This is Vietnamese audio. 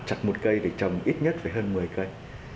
chặt một cây để trồng ít nhất phải hơn một mươi cây